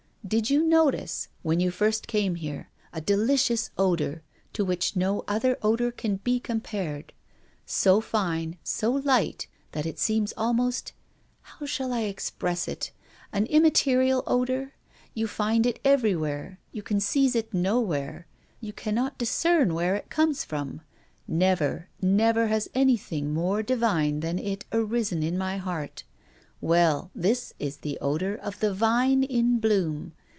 "Did you notice, when first you came here, a delicious odor, to which no other odor can be compared so fine, so light, that it seems almost how shall I express it? an immaterial odor? You find it everywhere you can seize it nowhere you cannot discern where it comes from. Never, never has anything more divine than it arisen in my heart. Well, this is the odor of the vine in bloom.